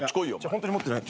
ホントに持ってない。